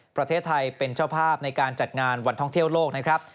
ประเทศไทยเป็นเจ้าภาพในการจัดงานวันท่องเที่ยวโลกนะครับ